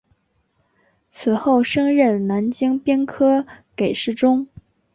此后升任南京兵科给事中。